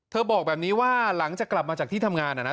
บอกแบบนี้ว่าหลังจากกลับมาจากที่ทำงานนะ